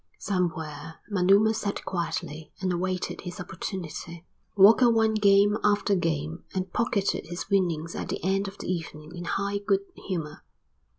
Somewhere Manuma sat quietly and awaited his opportunity. Walker won game after game and pocketed his winnings at the end of the evening in high good humour.